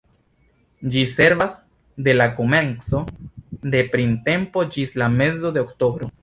Ĝi servas de la komenco de printempo ĝis la mezo de oktobro.